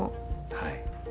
はい。